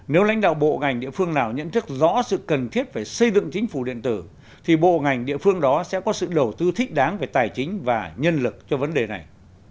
nếu lãnh đạo bộ ngành địa phương nào nhận thức rõ sự cần thiết về xây dựng chính phủ điện tử thì bộ ngành địa phương đó sẽ có sự đầu tư thích đáng về tài chính và nhân lực cho vấn đề này